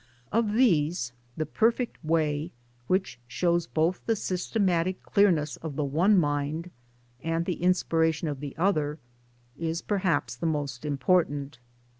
Of these The Perfect Way, which shows both the systematic clearness of the one mind and the inspiration of the other, is perhaps the most important.